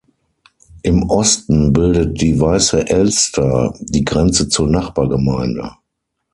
Im Osten bildet die Weiße Elster die Grenze zur Nachbargemeinde.